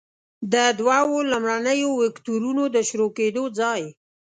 د دوو لومړنیو وکتورونو د شروع کیدو ځای.